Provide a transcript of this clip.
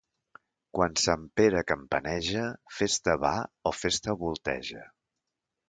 Quan Sant Pere campaneja, festa va o festa volteja.